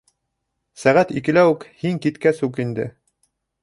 Сәғәт икелә үк, һин киткәс үк инде.